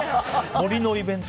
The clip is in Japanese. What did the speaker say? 森のイベント？